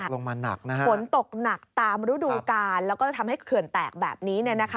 ลงมาหนักนะฮะฝนตกหนักตามฤดูกาลแล้วก็จะทำให้เขื่อนแตกแบบนี้